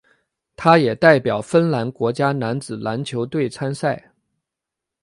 他也代表芬兰国家男子篮球队参赛。